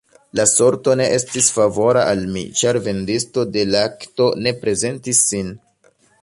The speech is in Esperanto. La sorto ne estis favora al mi, ĉar vendisto de lakto ne prezentis sin.